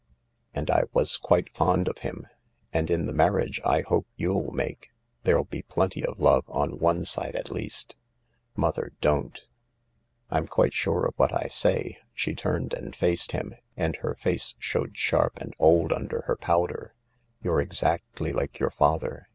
And I was quite fond of him. And in the marriage I hope you'll make there'll be plenty of love on one side It leas£ * Mother, don't/' THE LARK 18 " I'm quite sure of what I say/' She turned and facedhim, and her face shewed sharp and old under her powder. " You're exactly like your father.